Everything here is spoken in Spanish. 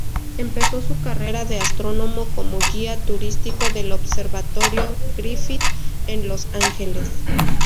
Empezó su carrera de astrónomo como guía turístico del Observatorio Griffith en Los Ángeles.